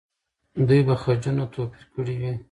دوی به خجونه توپیر کړي وي.